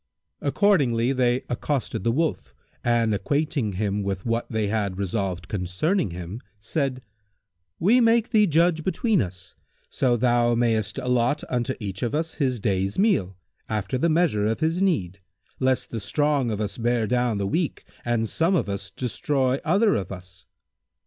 Accordingly they accosted the Wolf and acquainting him with what they had resolved concerning him said, "We make thee judge between us, so thou mayst allot unto each of us his day's meat, after the measure of his need, lest the strong of us bear down the weak and some of us destroy other of us."